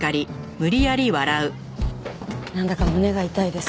なんだか胸が痛いです。